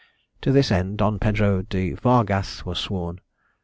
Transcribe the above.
To this end, Don Pedro de Vargass was sworn.